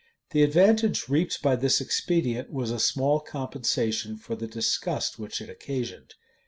[*] The advantage reaped by this expedient was a small compensation for the disgust which it occasioned.